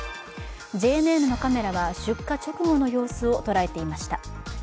ＪＮＮのカメラは出火直後の様子を捉えていました。